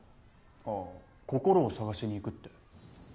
あ心を探しにいくって。